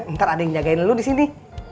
ntar ada yang jagain lu disini